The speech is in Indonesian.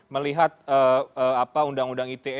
melihat undang undang ite